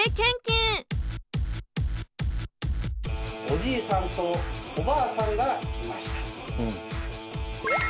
「おじいさんとおばあさんがいました」。